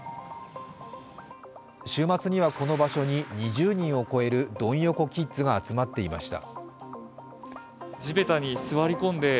週末にはこの場所に２０人を超えるドン横キッズが集まっていました。